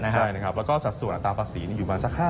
ใช่แล้วก็สักส่วนอัตราภาษีอยู่มาสัก๕๐